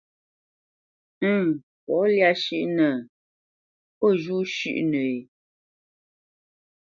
Ǝ̂ŋ, pó lyá shʉ́ʼnǝ, ó zhû shʉ́ʼnǝ ?